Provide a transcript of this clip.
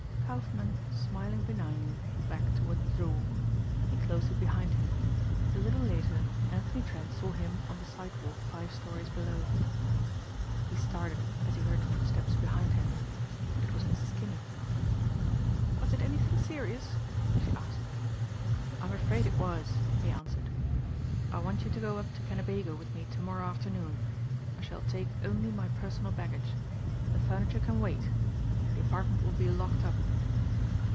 Kaufmann smiling benignly backed toward the door. He closed it behind him. A little later Anthony Trent saw him on the sidewalk five stories below. He started as he heard footsteps behind him. It was Mrs. Kinney. "Was it anything serious?" she asked. "I'm afraid it was," he answered. "I want you to go up to Kennebago with me to morrow afternoon. I shall take only my personal baggage. The furniture can wait. The apartment will be locked up."